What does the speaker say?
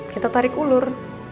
kita tarik ulur